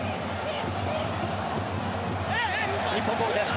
日本ボールです。